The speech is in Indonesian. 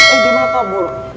eh dia mau kabur